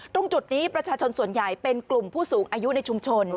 ตรงจุดนี้ประชาชนส่วนใหญ่เป็นกลุ่มผู้สูงอายุในชุมชน